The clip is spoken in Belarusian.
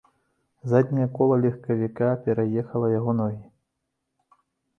Задняе кола легкавіка пераехала яго ногі.